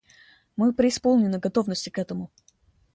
Мы преисполнены готовности к этому.